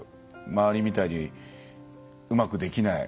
周りみたいにうまくできない。